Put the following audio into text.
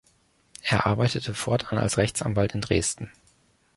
Er arbeitete fortan als Rechtsanwalt in Dresden.